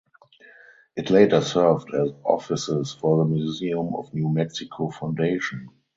It later served as offices for the Museum of New Mexico Foundation.